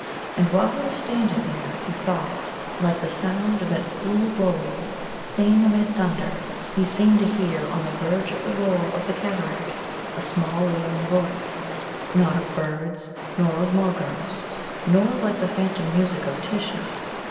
And while he was standing there, he thought, like the sound of an ooboë singing amid thunder, he seemed to hear on the verge of the roar of the cataract a small wailing voice, not of birds, nor of Mulgars, nor like the phantom music of Tishnar.